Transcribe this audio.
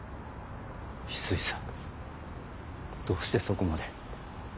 翡翠さんどうしてそこまで。